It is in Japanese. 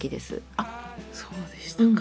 あそうでしたか。